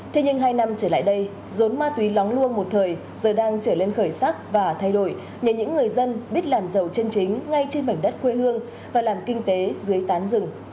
thế nhưng hai năm trở lại đây rốn ma túy lóng luông một thời giờ đang trở lên khởi sắc và thay đổi nhờ những người dân biết làm giàu chân chính ngay trên mảnh đất quê hương và làm kinh tế dưới tán rừng